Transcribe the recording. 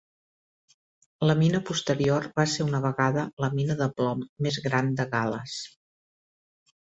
La mina posterior va ser una vegada la mina de plom més gran de Gal·les.